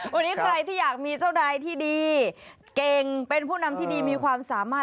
วันนี้ใครที่อยากมีเจ้านายที่ดีเก่งเป็นผู้นำที่ดีมีความสามารถ